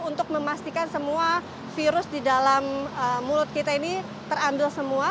untuk memastikan semua virus di dalam mulut kita ini terandul semua